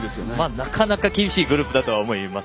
なかなか厳しいグループだと思います。